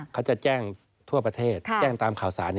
เขาจะแจ้งทั่วประเทศแจ้งตามข่าวสาร